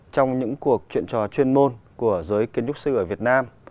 trong những cuộc chuyện trò chuyên môn của giới kiến trúc sư ở việt nam